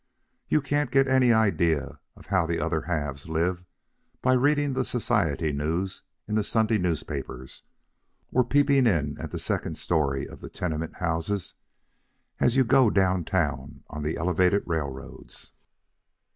You can't get any idea of how the other halves live by reading the society news in the Sunday newspapers or peeping in at the second story of the tenement houses as you go down town on the elevated railroads.